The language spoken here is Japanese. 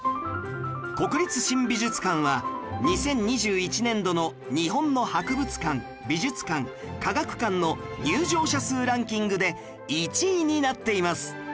国立新美術館は２０２１年度の日本の博物館・美術館・科学館の入場者数ランキングで１位になっています。